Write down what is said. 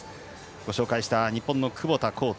ご紹介した日本の窪田幸太